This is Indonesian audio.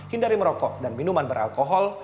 hindari merokok dan minuman beralkohol